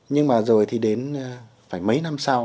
nhưng mà rồi thì đến phải mấy năm sau